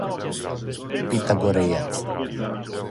питагорејац